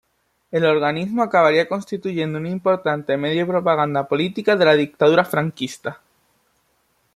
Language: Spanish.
El organismo acabaría constituyendo un importante medio de propaganda política de la dictadura franquista.